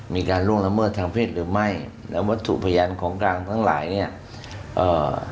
ล่วงละเมิดทางเพศหรือไม่แล้ววัตถุพยานของกลางทั้งหลายเนี้ยเอ่อ